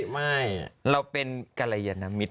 ไม่เราเป็นกรยานมิตร